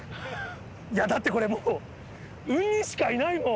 いや、だって、これもうウニしかいないもん。